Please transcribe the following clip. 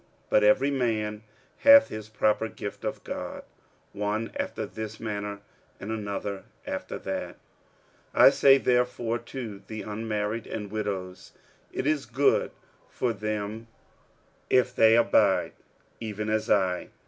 But every man hath his proper gift of God, one after this manner, and another after that. 46:007:008 I say therefore to the unmarried and widows, It is good for them if they abide even as I.